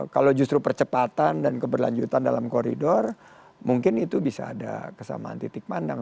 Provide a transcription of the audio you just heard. kalau justru percepatan dan keberlanjutan dalam koridor mungkin itu bisa ada kesamaan titik pandang